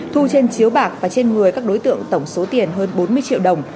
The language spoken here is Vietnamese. thu trên chiếu bạc và trên người các đối tượng tổng số tiền hơn bốn mươi triệu đồng